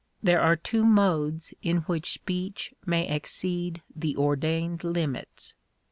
There are two modes in which speech may exceed the or dained limits.